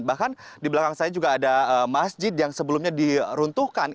bahkan di belakang saya juga ada masjid yang sebelumnya diruntuhkan